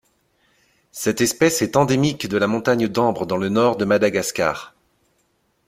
Cette espèce est endémique de la Montagne d'Ambre dans le Nord de Madagascar.